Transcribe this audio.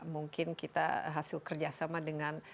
mungkin kita hasil kerjasama dengan